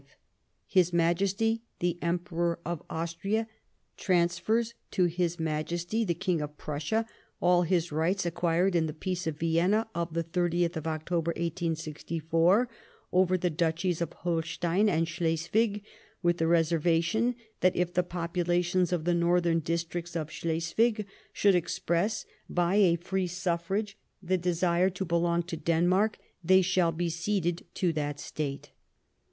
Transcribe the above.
— His Majesty the Emperor of Austria transfers to his Majesty the King of Prussia all his rights acquired in the Peace of Vienna of the 30th of October, 1864, over the Duchies of Holstein and Slesvig, with the reservation that if the populations of the northern districts of Slesvig should express, by a free suffrage, the desire to belong to Denmark, they shall be ceded to that State.'"